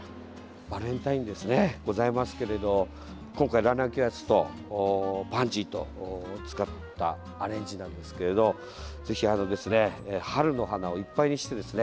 バレンタインでございますけれど今回ラナンキュラスとパンジーを使ったアレンジですがぜひ、春の花をいっぱいにしてですね